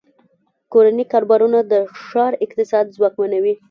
کورني کاروبارونه د ښار اقتصاد ځواکمنوي.